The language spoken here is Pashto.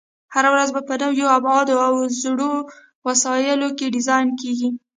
هره ورځ به په نویو ابعادو او زړو وسایلو کې ډیزاین کېږي.